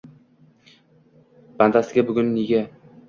Bandasiga bugun nega